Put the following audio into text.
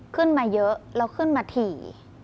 ขึ้นมาเยอะแล้วขึ้นมาถี่